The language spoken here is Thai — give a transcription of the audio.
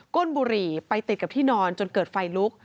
้นบุหรี่ไปติดกับที่นอนจนเกิดไฟลุก